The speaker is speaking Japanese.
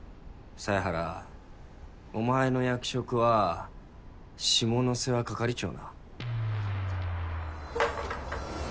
犀原お前の役職は下の世話係長な。